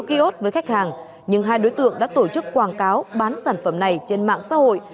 ký ốt với khách hàng nhưng hai đối tượng đã tổ chức quảng cáo bán sản phẩm này trên mạng xã hội